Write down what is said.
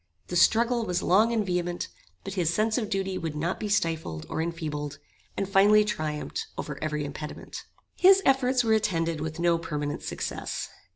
The struggle was long and vehement; but his sense of duty would not be stifled or enfeebled, and finally triumphed over every impediment. His efforts were attended with no permanent success.